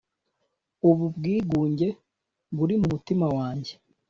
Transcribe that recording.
ubu bwigunge buri mu mutima wanjye,